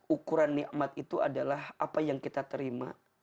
ukuran nikmat itu adalah apa yang kita terima